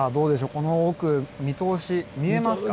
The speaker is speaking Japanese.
この奥見通し見えますか？